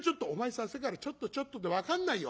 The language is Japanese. さっきから『ちょっとちょっと』って分かんないよ」。